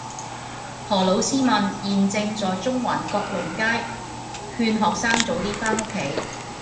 何老師問現正在中環閣麟街勸學生早啲返屋企